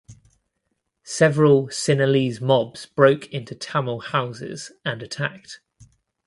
Several Sinhalese mobs broke into Tamil houses and attacked.